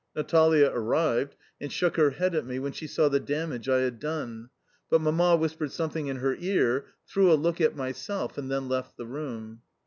Natalia arrived, and shook her head at me when she saw the damage I had done; but Mamma whispered something in her car, threw a look at myself, and then left the room.